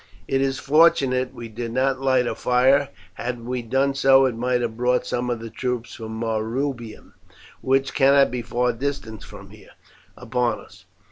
It is fortunate we did not light a fire; had we done so it might have brought some of the troops from Marrubium, which cannot be far distant from here, upon us.